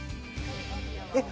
えっ